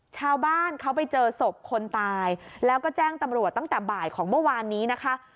ชาวบ้านเขาไปเจอศพคนตายแล้วก็แจ้งตำรวจตั้งแต่บ่ายของเมื่อวานนี้นะคะ